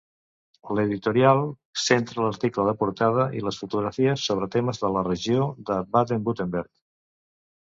L'editorial centra l'article de portada i les fotografies sobre temes de la regió de Baden-Württemberg.